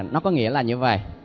nó có nghĩa là như vậy